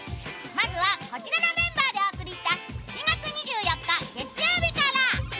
まずは、こちらのメンバーでお送りした、７月２４日月曜日から。